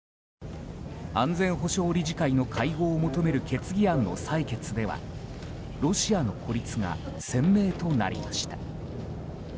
安全保障理事会の会合を求める決議案の採決ではロシアの孤立が鮮明となりました。